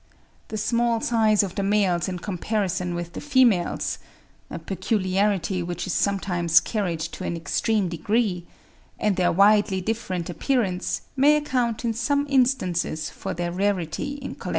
The small size of the males in comparison with the females (a peculiarity which is sometimes carried to an extreme degree), and their widely different appearance, may account in some instances for their rarity in collections.